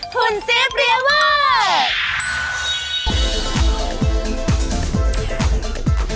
หุ่นเสียบเรียเวิร์ด